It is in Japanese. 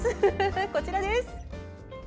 こちらです。